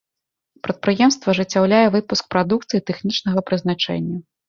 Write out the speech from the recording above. Прадпрыемства ажыццяўляе выпуск прадукцыі тэхнічнага прызначэння.